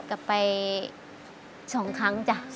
กลับไป๒ครั้งจ้ะ